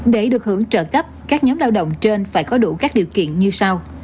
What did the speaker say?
để được hưởng trợ cấp các nhóm lao động trên phải có đủ các điều kiện như sau